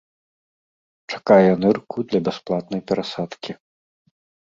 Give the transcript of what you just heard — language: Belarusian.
Чакае нырку для бясплатнай перасадкі.